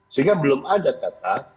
sehingga belum ada kata